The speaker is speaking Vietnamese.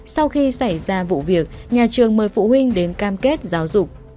sau khi xảy ra vụ việc nhà trường mời phụ huynh đến cam kết giáo dục